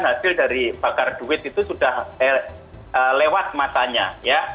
hasil dari bakar duit itu sudah lewat matanya ya